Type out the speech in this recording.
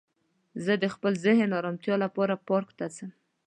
زه د خپل ذهن ارامتیا لپاره پارک ته ځم